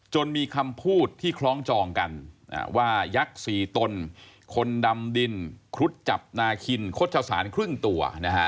มีคำพูดที่คล้องจองกันว่ายักษ์๔ตนคนดำดินครุฑจับนาคินโฆษศาลครึ่งตัว